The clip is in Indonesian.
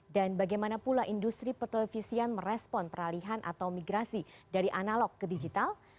bagaimana pula industri petelevisian merespon peralihan atau migrasi dari analog ke digital